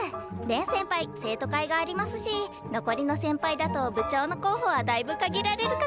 恋先輩生徒会がありますし残りの先輩だと部長の候補はだいぶ限られるかと。